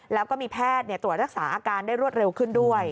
แล้วก็มีแพทย์ตรวจรักษาอาการได้รวดเร็วขึ้นด้วย